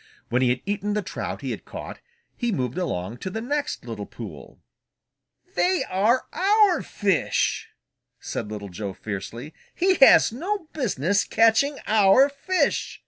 When he had eaten the trout he had caught, he moved along to the next little pool. "They are our fish!" said Little Joe fiercely. "He has no business catching our fish!"